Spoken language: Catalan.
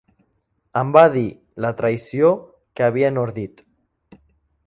Em va dir la traïció que havien ordit.